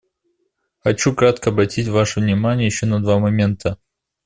Хочу кратко обратить ваше внимание еще на два момента.